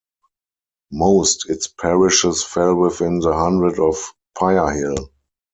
Most its parishes fell within the Hundred of Pirehill.